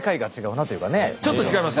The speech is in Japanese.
ちょっと違いますか？